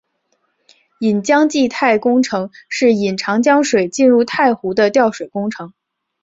引江济太工程是引长江水进入太湖的调水工程。